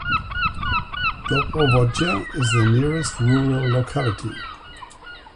Dobrovodye is the nearest rural locality.